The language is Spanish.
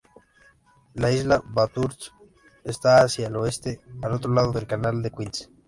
La isla Bathurst esta hacia el oeste, al otro lado del Canal de Queens.